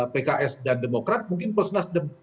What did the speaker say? pks dan demokrat mungkin plus nasdem